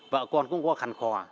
vợ con cũng có khẳng khò